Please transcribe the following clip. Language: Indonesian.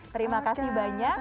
terima kasih banyak